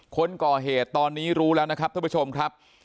คนก่อเหตุตอนนี้รู้แล้วนะครับท่านผู้ชมครับ